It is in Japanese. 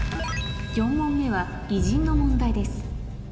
４問目はの問題です